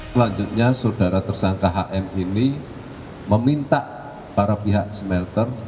selanjutnya saudara tersangka hm ini meminta para pihak smelter